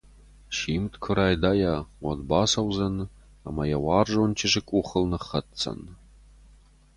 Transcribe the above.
Симд куы райдайа, уӕд бацӕудзӕн ӕмӕ йӕ уарзон чызджы къухыл ныххӕцдзӕн.